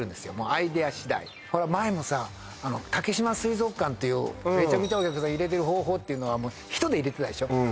アイデア次第前もさ竹島水族館っていうめちゃめちゃお客さん入れてる方法っていうのが人で入れてたでしょ